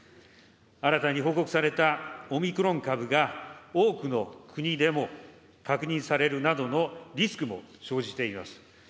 新たに報告されたオミクロン株が多くの国でも確認されるなどのリスクも生じています。